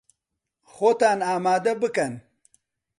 خۆتان ئامادە بکەن!